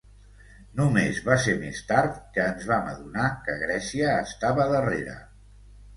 Només va ser més tard que ens vam adonar que Grècia estava darrere.